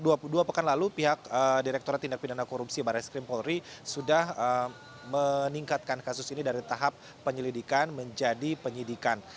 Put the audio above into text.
dua pekan lalu pihak direkturat tindak pidana korupsi barat skrim polri sudah meningkatkan kasus ini dari tahap penyelidikan menjadi penyidikan